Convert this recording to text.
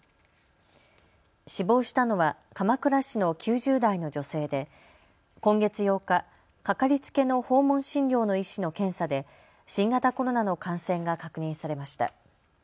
死亡したのは鎌倉市の９０代の女性で今月８日、かかりつけの訪問診療の医師の検査で新型コロナの感染が確認されました。